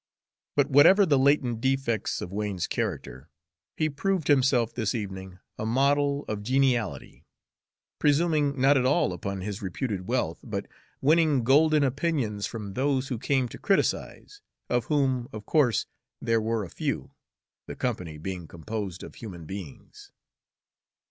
But whatever the latent defects of Wain's character, he proved himself this evening a model of geniality, presuming not at all upon his reputed wealth, but winning golden opinions from those who came to criticise, of whom, of course, there were a few, the company being composed of human beings.